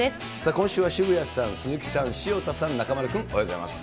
今週は渋谷さん、鈴木さん、潮田さん、中丸君、おはようございます。